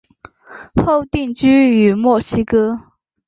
后定居于墨西哥。